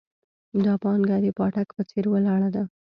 دا پانګه د پاټک په څېر ولاړه ده.